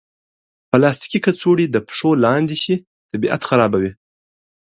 پلاستيکي کڅوړې د پښو لاندې شي، طبیعت خرابوي.